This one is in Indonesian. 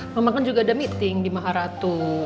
mama kan juga ada meeting di maharatu